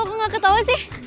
ih kok nggak ketawa sih